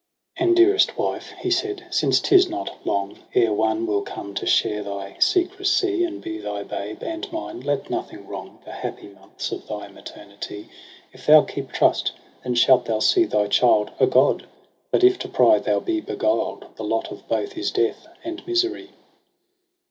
JUNE • 117 18 ' And, dearest wife,' he said, ' since 'tis not long Ere one will come to share thy secrecy. And be thy babe and mine j let nothing wrong The happy months of thy maternity. F thou keep trust, then shalt thou see thy child A god ; but if to pry thou be beguiled. The lot of both is death and misery.'